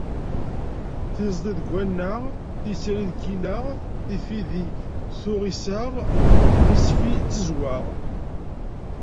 Iẓdi deg waneɣ, tisri deg yileɣ, tifidi tuɣ iseɣ, tisfi d tezweɣ.